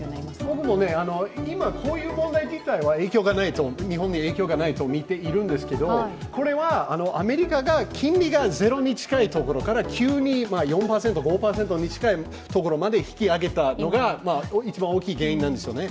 僕も今、こういう問題自体は日本に影響がないとみているんですけど、これはアメリカが金利がゼロに近いところから急に４％、５％に近いところに引き上げたのが一番大きい原因なんですよね。